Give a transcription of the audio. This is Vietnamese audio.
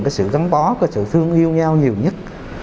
cái sự gắn bó cái sự thương yêu nhau nhiều nhất